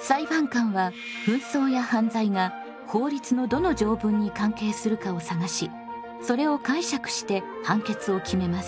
裁判官は紛争や犯罪が法律のどの条文に関係するかを探しそれを解釈して判決を決めます。